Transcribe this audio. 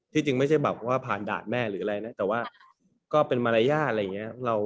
จริงไม่ใช่แบบว่าผ่านด่านแม่หรืออะไรนะแต่ว่าก็เป็นมารยาทอะไรอย่างนี้